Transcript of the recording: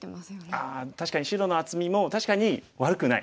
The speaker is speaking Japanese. ああ確かに白の厚みも確かに悪くない。